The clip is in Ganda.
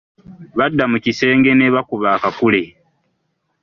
Badda mu kisenge ne bakuba akakule.